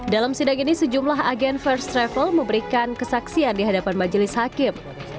dalam sidang ini sejumlah agen first travel memberikan kesaksian di hadapan majelis hakim